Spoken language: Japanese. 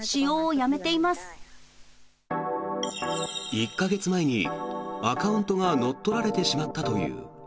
１か月前にアカウントが乗っ取られてしまったという。